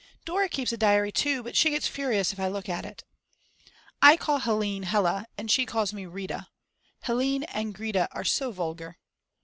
Dora keeps a diary too, but she gets furious if I look at it. I call Helene "Hella," and she calls me "Rita;" Helene and Grete are so vulgar.